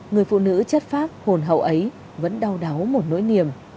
người phụ nữ chất phác hồn hậu ấy vẫn đau đáu một nỗi niềm